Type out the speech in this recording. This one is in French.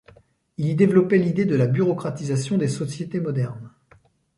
Il y développait l’idée de la bureaucratisation des sociétés modernes.